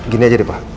gini aja deh pak